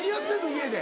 家で。